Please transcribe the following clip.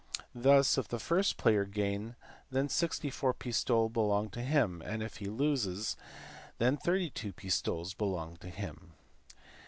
Thus, if the first player gain, then 64 pistoles helong to him, and, if he lose, then 32 pistoles belong to him.